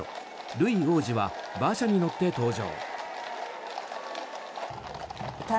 ルイ王子は馬車に乗って登場。